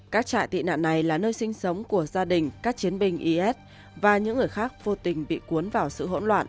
các trại tị nạn này là nơi sinh sống của gia đình các chiến binh is và những người khác vô tình bị cuốn vào sự hỗn loạn